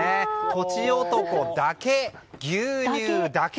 とちおとこだけ、牛乳だけ。